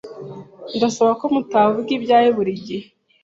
Ndasaba ko mutavuga ibyawe buri gihe.